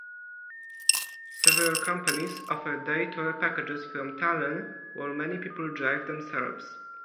Several companies offer day tour packages from Tallinn, while many people drive themselves.